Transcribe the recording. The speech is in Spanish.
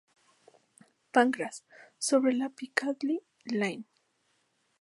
Pancras, sobre la Piccadilly Line.